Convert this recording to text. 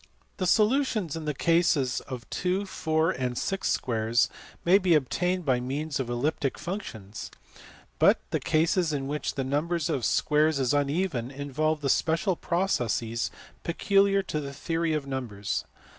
The solutions in the cases of two, four, and six squares may be obtained by means of elliptic functions, but the cases in which the number of squares is uneven involve special processes peculiar to the theory of numbers.